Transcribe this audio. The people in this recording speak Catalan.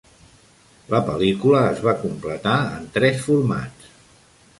La pel·lícula es va completar en tres formats.